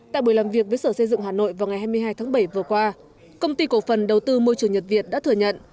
tại buổi làm việc với sở xây dựng hà nội vào ngày hai mươi hai tháng bảy vừa qua công ty cổ phần đầu tư môi trường nhật việt đã thừa nhận